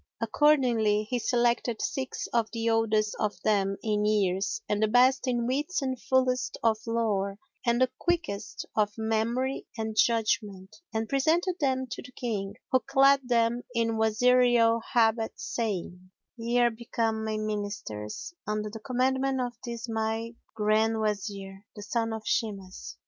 Accordingly he selected six of the oldest of them in years and the best in wits and fullest of lore and the quickest of memory and judgment, and presented them to the King, who clad them in Wazirial habit saying, "Ye are become my Ministers, under the commandment of this my Grand Wazir, the son of Shimas.